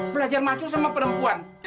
belajar maco sama perempuan